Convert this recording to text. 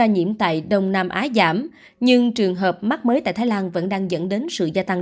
nhiễm tại đông nam á giảm nhưng trường hợp mắc mới tại thái lan vẫn đang dẫn đến sự gia tăng